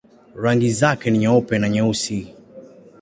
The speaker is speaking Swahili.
Rangi zake ni nyeupe na nyeusi.